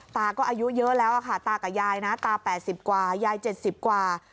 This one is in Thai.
ตาก็อายุเยอะแล้วอะค่ะตากับยายนะตาแปดสิบกว่ายายเจ็ดสิบกว่า